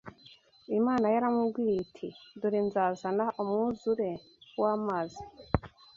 Imana yaramubwiye iti dore nzazana umwuzure w’amazi